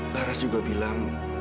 laras juga bilang